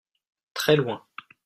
très loin.